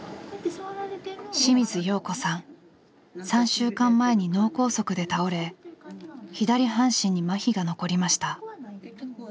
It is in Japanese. ３週間前に脳梗塞で倒れ左半身にまひが残りました。